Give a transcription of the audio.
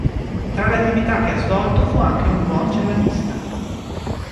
Tra le attività che ha svolto fu anche un buon ceramista.